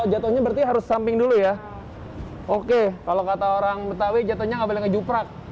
jatuhnya berarti harus samping dulu ya oke kalau kata orang betawi jatuhnya nggak boleh ngejuprak